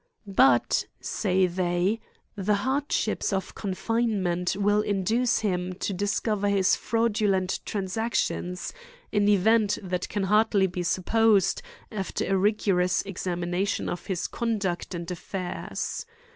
But, say they, the hardships of confinement will induce him • to discover his fraudulent trans actions ; an event that can hardly be supposed, after a rigorous examin.ition of his conduct and afl'dirs.